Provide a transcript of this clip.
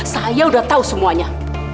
saya udah tahu semuanya